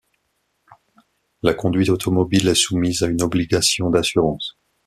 La conduite automobile est soumise à une obligation d'assurance.